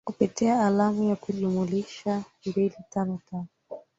kupitia alamu ya kujumulisha mbili tano tano